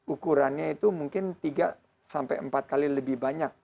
ukurannya itu mungkin tiga sampai empat kali lebih banyak